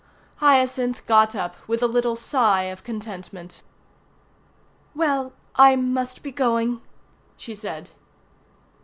Hyacinth got up with a little sigh of contentment. "Well, I must be going," she said.